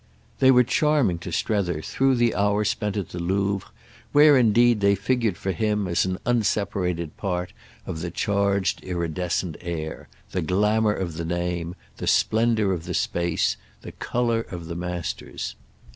They were charming to Strether through the hour spent at the Louvre, where indeed they figured for him as an unseparated part of the charged iridescent air, the glamour of the name, the splendour of the space, the colour of the masters.